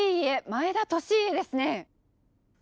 前田利家ですね！